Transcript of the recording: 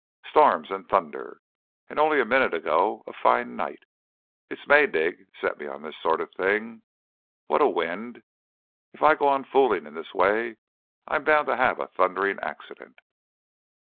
Storms and thunder. And only a minute ago a fine night. It's Maydig set me on to this sort of thing. What a wind! If I go on fooling in this way I'm bound to have a thundering accident!...